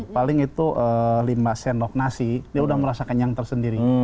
paling itu lima sendok nasi dia udah merasa kenyang tersendiri